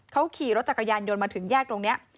เขาขี่รถจักรยานยนต์มาถึงแยกตรงนี้